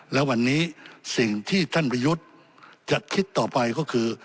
และวันนี้สิ่งที่ท่านประยุทธ์จะคิดต่อไปก็คือ